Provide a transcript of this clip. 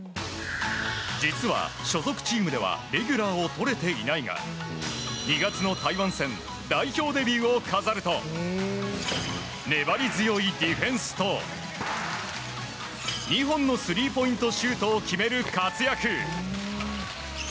実は、所属チームではレギュラーをとれていないが２月の台湾戦代表デビューを飾ると粘り強いディフェンスと２本のスリーポイントシュートを決める活躍。